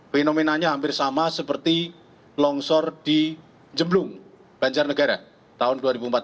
fenomenanya hampir sama seperti longsor di jeblung banjarnegara tahun dua ribu empat belas